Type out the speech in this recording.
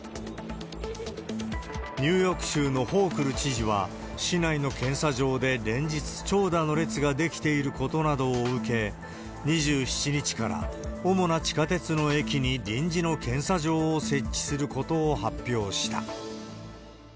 ニューヨーク州のホークル知事は、市内の検査場で連日長蛇の列が出来ていることなどを受け、２７日から主な地下鉄の駅に臨時の検査場を設置することを発表した。